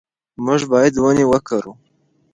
موږ باید ونې وکرو.